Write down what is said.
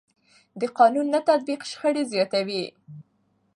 د قانون نه تطبیق شخړې زیاتوي